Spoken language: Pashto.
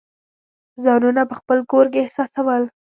ځانونه په خپل کور کې احساسول.